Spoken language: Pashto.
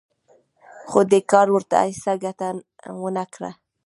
خو دې کار ورته هېڅ ګټه ونه کړه